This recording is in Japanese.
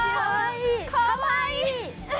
かわいい！